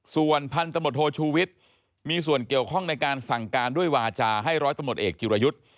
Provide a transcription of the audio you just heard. ส่วนพันธมตโทชูวิทย์มีส่วนเกี่ยวข้องในการสั่งการด้วยวาจาให้ร้อยตำรวจเอกจิรยุทธ์